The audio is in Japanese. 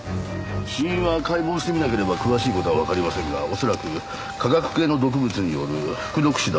死因は解剖してみなければ詳しい事はわかりませんが恐らく化学系の毒物による服毒死だと思われます。